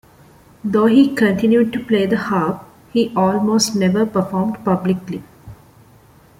Though he continued to play the harp, he almost never performed publicly.